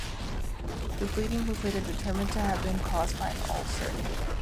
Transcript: The bleeding was later determined to have been caused by an ulcer.